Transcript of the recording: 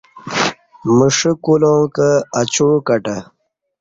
مݜہ کولہ کں اچوع کٹہ